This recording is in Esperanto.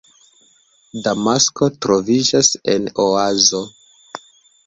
Damasko troviĝas en oazo.